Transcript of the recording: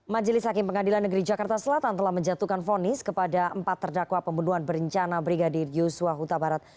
majelis hakim pengadilan negeri jakarta selatan telah menjatuhkan fonis kepada empat terdakwa pembunuhan berencana brigadir yusua huta barat